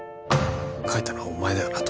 書いたのはお前だよな？